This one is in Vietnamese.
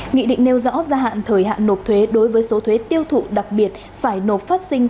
nghị định nêu rõ gia hạn thời hạn nộp thuế đối với số thuế tiêu thụ đặc biệt phải nộp phát sinh